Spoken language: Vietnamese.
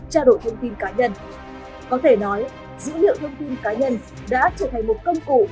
trao đổi thông tin cá nhân